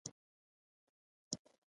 کچالو د بدن داخلي حرارت تنظیموي.